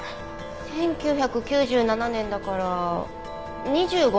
１９９７年だから２５年前ですね。